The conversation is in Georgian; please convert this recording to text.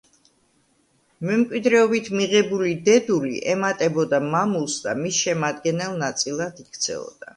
მემკვიდრეობით მიღებული დედული ემატებოდა მამულს და მის შემადგენელ ნაწილად იქცეოდა.